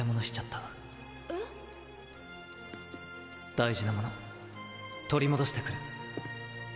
大事なもの取り戻してくる。